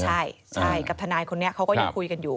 ใช่กับทนายคนนี้เขาก็ยังคุยกันอยู่